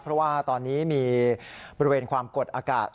เพราะว่าตอนนี้มีบริเวณความกดอากาศ